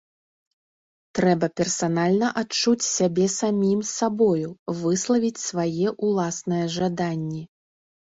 Трэба персанальна адчуць сябе самім сабою, выславіць свае ўласныя жаданні!